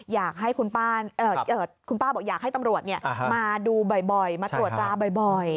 อยากให้คุณป้าบอกอยากให้ตำรวจมาดูบ่อยมาตรวจตราบ่อย